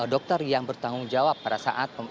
dokter yang bertanggung jawab pada saat